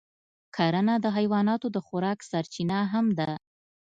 کرنه د حیواناتو د خوراک سرچینه هم ده.